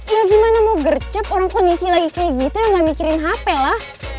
ya gimana mau gercep orang kondisi lagi kayak gitu yang gak mikirin hp lah